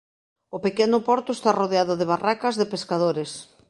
O pequeno porto está rodeado de barracas de pescadores.